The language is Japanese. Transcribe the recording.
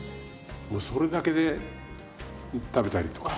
もうそれだけで食べたりとか。